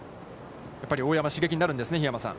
やっぱり大山は刺激になるんですね、桧山さん。